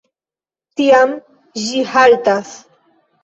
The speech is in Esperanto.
Tiam ĝi haltas.